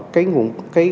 cái sản phẩm